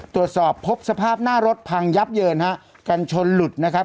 ตรวจสอบพบสภาพหน้ารถพังยับเยินฮะกันชนหลุดนะครับ